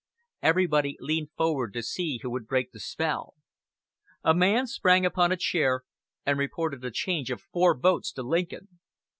Everybody leaned forward to see who would break the spell. A man sprang upon a chair and reported a change of four votes to Lincoln.